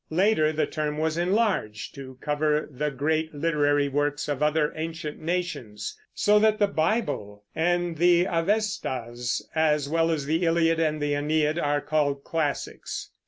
Later the term was enlarged to cover the great literary works of other ancient nations; so that the Bible and the Avestas, as well as the Iliad and the Aeneid, are called classics.